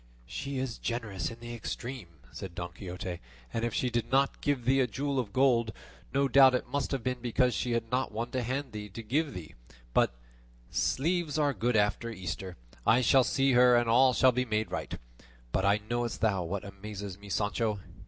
"She is generous in the extreme," said Don Quixote, "and if she did not give thee a jewel of gold, no doubt it must have been because she had not one to hand there to give thee; but sleeves are good after Easter; I shall see her and all shall be made right. But knowest thou what amazes me, Sancho?